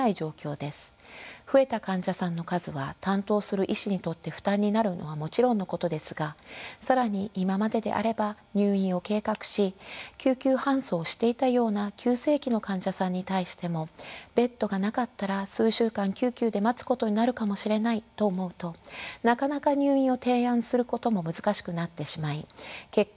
増えた患者さんの数は担当する医師にとって負担になるのはもちろんのことですが更に今までであれば入院を計画し救急搬送していたような急性期の患者さんに対してもベッドがなかったら数週間救急で待つことになるかもしれないと思うとなかなか入院を提案することも難しくなってしまい結果